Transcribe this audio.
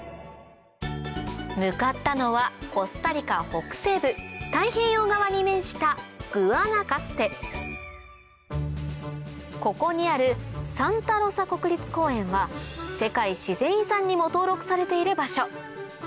向かったのはコスタリカ北西部太平洋側に面したここにあるは世界自然遺産にも登録されている場所